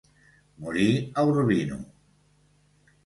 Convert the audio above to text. Morí a Urbino.